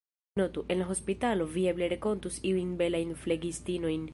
Notu, en la hospitalo, vi eble renkontus iujn belajn flegistinojn.